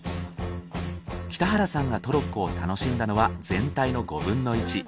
北原さんがトロッコを楽しんだのは全体の５分の１。